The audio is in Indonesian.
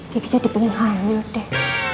kita jadi pengen hamil deh